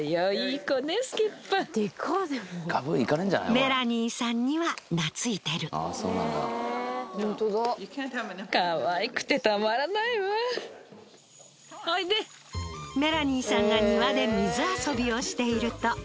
メラニーさんが庭で水遊びをしていると。